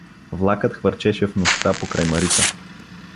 Влакът хвърчеше в нощта покрай Марица.